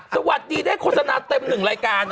สวัสดีได้โฆษณาเต็มหนึ่งรายการ